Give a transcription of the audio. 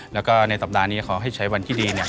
แล้วก็ในสัปดาห์นี้ขอให้ใช้วันที่ดีเนี่ย